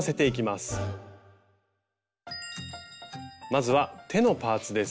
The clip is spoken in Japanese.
まずは手のパーツです。